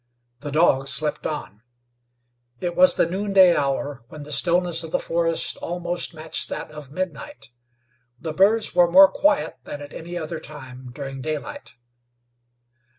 The dog slept on. It was the noonday hour, when the stillness of the forest almost matched that of midnight. The birds were more quiet than at any other time during daylight.